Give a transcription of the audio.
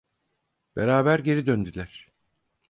Beraber geri döndüler.